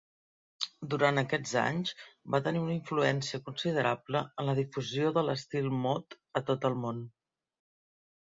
Durant aquests anys, va tenir una influència considerable en la difusió de l'estil mod a tot el món.